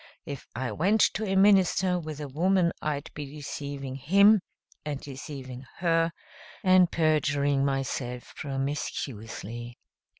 If I went to a minister with a woman I'd be deceiving him, and deceiving her, and perjuring myself promiscuously.